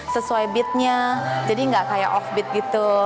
sesuai beatnya jadi tidak seperti offbeat